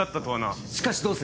しかしどうする？